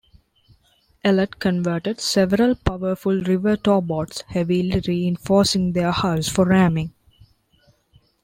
Ellet converted several powerful river towboats, heavily reinforcing their hulls for ramming.